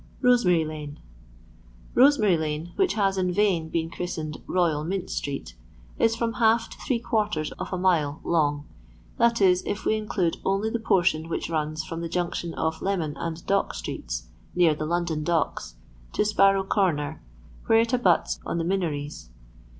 BOSXXART LAKS. KosEMART LANB, which has in vain been re christened Royal Mint street, is from half to three quarters of a mile long — that is, if we include only the portion which runs from the junction of Leman and Dock streets ^near the London Docks) to Sparrow corner, where it abuts on the Minories.